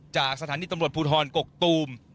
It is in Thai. จากสถานีตำรวจภูทรกกตูม